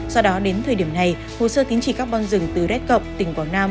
do đó đến thời điểm này hồ sơ tính trị carbon rừng từ rết cộng tỉnh quảng nam